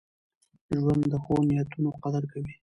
ژوند د ښو نیتونو قدر کوي.